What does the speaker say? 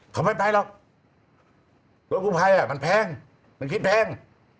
เขาไม่ไปหรอกรถกู้ภัยมันแพงมันคิดแพง